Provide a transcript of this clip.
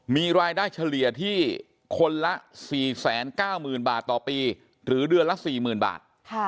มีรายได้เฉลี่ยที่คนละ๔๙๐๐๐บาทต่อปีหรือเดือนละ๔๐๐๐บาท